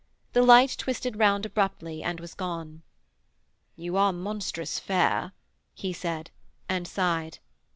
The light twisted round abruptly and was gone. 'You are monstrous fair,' he said, and sighed.